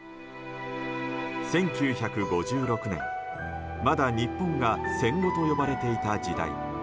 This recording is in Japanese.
１９５６年、まだ日本が戦後と呼ばれていた時代。